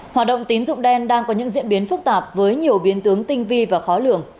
hoạt động tín dụng đen đang có những diễn biến phức tạp với nhiều biến tướng tinh vi và khó lường